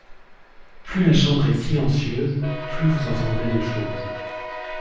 Plus la chambre est silencieuse, plus vous entendrez de choses.